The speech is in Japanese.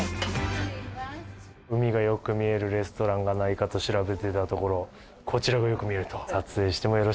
海がよく見えるレストランがないかと調べてたところこちらがよく見えると。